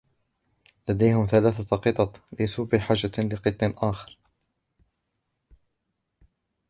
لديهم ثلاثة قطط، ليسوا بحاجة لقط آخر.